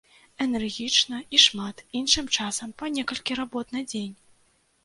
Энергічна і шмат, іншым часам па некалькі работ на дзень.